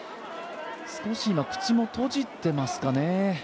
少し口も閉じてますかね。